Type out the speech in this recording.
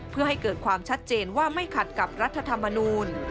เพื่อให้เกิดความชัดเจนว่าไม่ขัดกับรัฐธรรมนูล